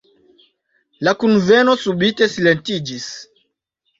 La kunveno subite silentiĝis.